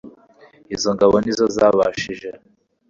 izo ngabo ni zo zabashije